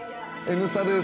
「Ｎスタ」です。